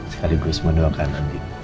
sekali berusman doakan